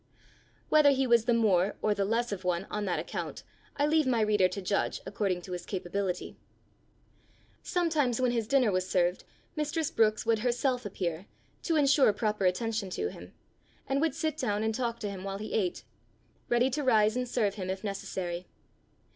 Whether he was the more or the less of one on that account, I leave my reader to judge according to his capability. Sometimes when his dinner was served, mistress Brookes would herself appear, to ensure proper attention to him, and would sit down and talk to him while he ate, ready to rise and serve him if necessary.